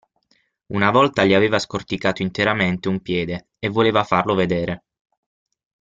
Una volta gli aveva scorticato interamente un piede, e voleva farlo vedere.